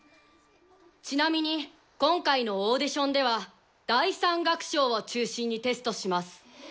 ちなみに今回のオーディションでは「第３楽章」を中心にテストします。